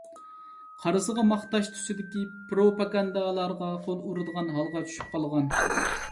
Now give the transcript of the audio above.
قارىسىغا ماختاش تۈسىدىكى پروپاگاندالارغا قول ئۇرىدىغان ھالغا چۈشۈپ قالغان.